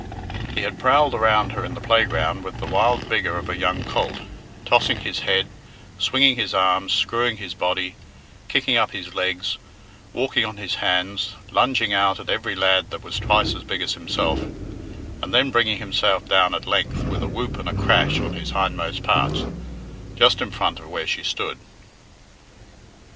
He had prowled around her in the playground with the wild vigour of a young colt, tossing his head, swinging his arms, screwing his body, kicking up his legs, walking on his hands, lunging out at every lad that was twice as big as himself, and then bringing himself down at length with a whoop and a crash on his hindmost parts just in front of where she stood.